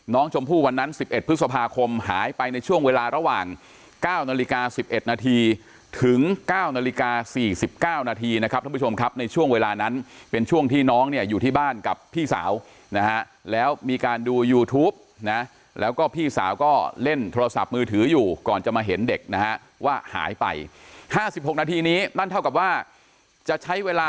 วันนั้น๑๑พฤษภาคมหายไปในช่วงเวลาระหว่าง๙นาฬิกา๑๑นาทีถึง๙นาฬิกา๔๙นาทีนะครับท่านผู้ชมครับในช่วงเวลานั้นเป็นช่วงที่น้องเนี่ยอยู่ที่บ้านกับพี่สาวนะฮะแล้วมีการดูยูทูปนะแล้วก็พี่สาวก็เล่นโทรศัพท์มือถืออยู่ก่อนจะมาเห็นเด็กนะฮะว่าหายไป๕๖นาทีนี้นั่นเท่ากับว่าจะใช้เวลา